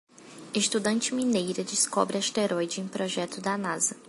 Estudante mineira descobre asteroide em projeto da Nasa